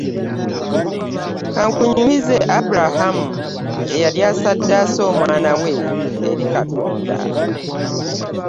Kankunyumizw Abulakamu eyali asaddaase omwana we eri Katonda.